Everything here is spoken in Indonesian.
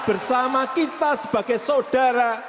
bersama kita sebagai saudara